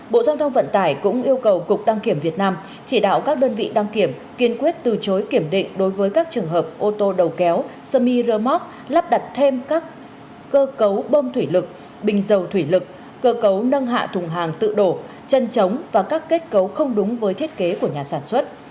bộ giao thông vận tải cũng yêu cầu cục đăng kiểm việt nam chỉ đạo các đơn vị đăng kiểm kiên quyết từ chối kiểm định đối với các trường hợp ô tô đầu kéo sơmi rơ móc lắp đặt thêm các cơ cấu bơm thủy lực bình dầu thủy lực cơ cấu nâng hạ thùng hàng tự đổ chân trống và các kết cấu không đúng với thiết kế của nhà sản xuất